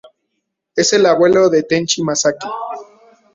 Es el abuelo de Tenchi Masaki.